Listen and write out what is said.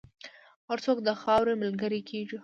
هر څوک د خاورې ملګری کېږي.